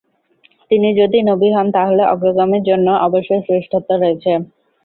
তিনি যদি নবী হন তাহলে অগ্রগামীর জন্য অবশ্যই শ্রেষ্ঠত্ব রয়েছে।